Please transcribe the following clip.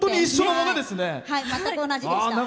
全く同じでした。